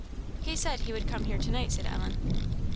"He said he would come here to night," said Ellen.